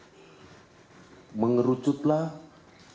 lalu mengerucutlah pos ini